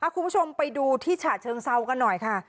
คุณผู้ชมไปดูที่ฉะเชิงเซากันหน่อยค่ะ